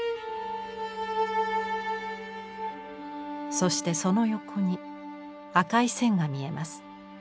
そしてその横に赤い線が見えます。